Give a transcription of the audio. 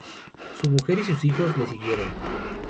Su mujer y sus hijos le siguieron.